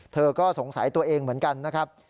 เธอก็สงสัยตัวเองเหมือนกันนะครับ